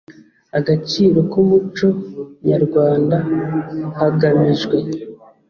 agaciro k umuco nyarwanda hagamijwe